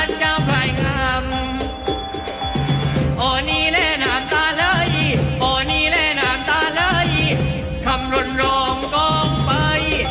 อ๋อนี่แหละเซ็นโซกี้อ๋อนี่แหละเซ็นโซกี้